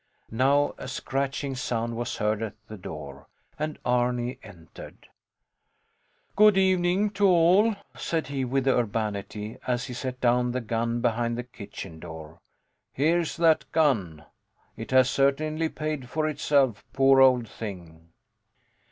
Now a scratching sound was heard at the door, and Arni entered. Good evening to all, said he with urbanity, as he set down the gun behind the kitchen door. Here's that gun. It has certainly paid for itself, poor old thing.